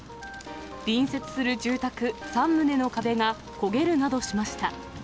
隣接する住宅３棟の壁が焦げるなどしました。